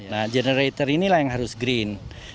nah generator inilah yang harus green